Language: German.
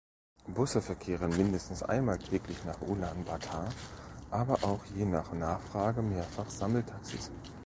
Busse verkehren mindestens einmal täglich nach Ulaanbaatar, aber auch je nach Nachfrage mehrfach Sammeltaxis.